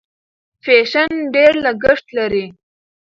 فیشن ډېر لګښت لري.